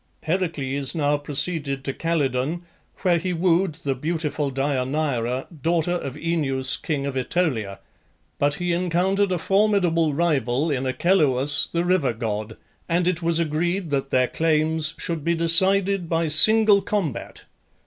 Heracles now proceeded to Calydon, where he wooed the beautiful Deianeira, daughter of Oeneus, king of AEtolia; but he encountered a formidable rival in Achelous, the river god, and it was agreed that their claims should be decided by single combat.